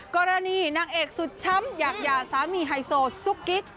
นางเอกสุดช้ำอยากหย่าสามีไฮโซซุกกิ๊ก